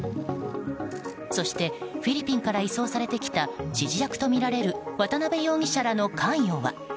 そして、フィリピンから移送されてきた指示役とみられる渡辺容疑者らの関与は？